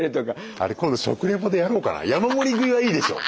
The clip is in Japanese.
あれ今度食リポでやろうかな山盛り食いはいいでしょ。